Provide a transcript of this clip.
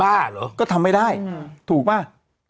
บ้าหรอก็ทำไม่ได้ถูกไหม